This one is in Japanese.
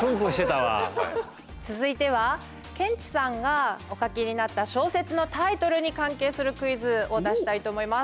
続いてはケンチさんがお書きになった小説のタイトルに関係するクイズを出したいと思います。